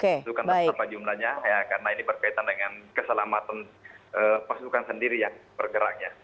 itu karena seberapa jumlahnya karena ini berkaitan dengan keselamatan pasukan sendiri yang pergerakannya